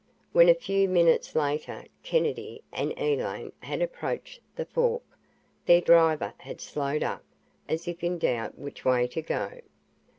When, a few minutes later, Kennedy and Elaine had approached the fork, their driver had slowed up, as if in doubt which way to go.